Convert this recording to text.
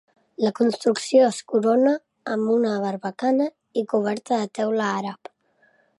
La construcció es corona amb una barbacana i coberta de teula àrab.